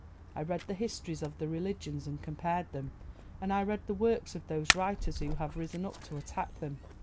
I read the histories of the religions and compared them, and I read the works of those writers who have risen up to attack them.